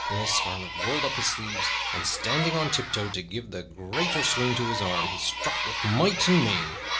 Will Scarlet rolled up his sleeve, and, standing on tiptoe to give the greater swing to his arm, he struck with might and main.